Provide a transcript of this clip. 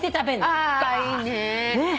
いいね。